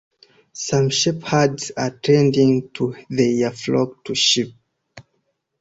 Some shepherds are tending to their flock of sheep.